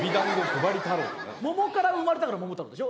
桃から生まれたから桃太郎でしょ？